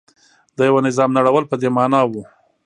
د یوه نظام نړول په دې معنا و.